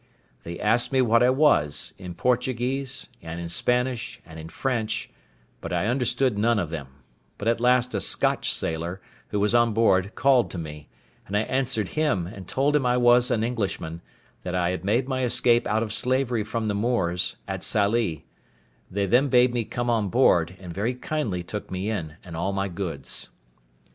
They asked me what I was, in Portuguese, and in Spanish, and in French, but I understood none of them; but at last a Scotch sailor, who was on board, called to me: and I answered him, and told him I was an Englishman, that I had made my escape out of slavery from the Moors, at Sallee; they then bade me come on board, and very kindly took me in, and all my goods.